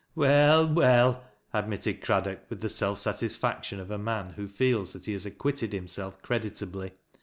" Well, well," admitted Craddock with the self satisfac tion of a man who feels that he has acquitted himself creditably.